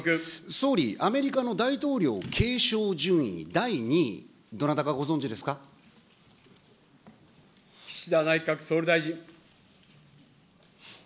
総理、アメリカの大統領継承順位第２位、どなたかご存じです岸田内閣総理大臣。